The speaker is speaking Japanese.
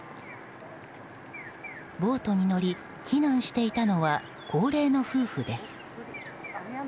ボートに乗り避難していたのは高齢の夫婦です。